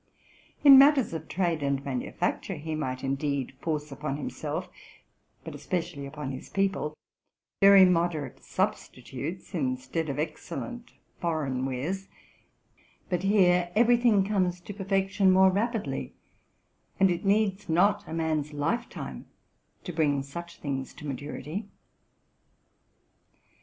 In matters of trade and manufacture, he might indeed force upon himself, but especially upon his people, very moderate substitutes instead of excellent foreign wares; but here every thing comes to perfection more rapidly, and it needs not a man's life time to bring such things to maturity.